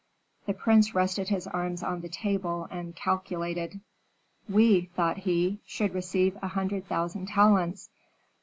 The prince rested his arms on the table and calculated, "We," thought he, "should receive a hundred thousand talents.